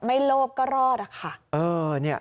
ไม่โลภก็รอดค่ะ